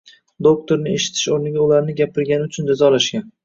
Doʻktorlarni eshitish oʻrniga, ularni “gapirgani uchun”, jazolashgan